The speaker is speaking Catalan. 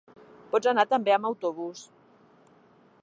Pots anar també amb autobús.